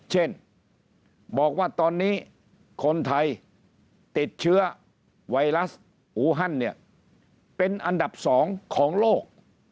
เช่นบอกว่าตอนนี้คนไทยติดเชื้อไวรัสอูฮันเนี่ยเป็นอันดับ๒ของโลก